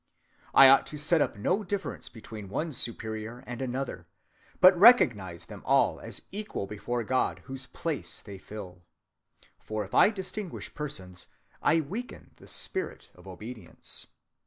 I ought to set up no difference between one Superior and another, ... but recognize them all as equal before God, whose place they fill. For if I distinguish persons, I weaken the spirit of obedience.